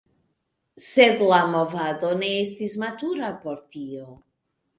Sed la movado ne estis matura por tio.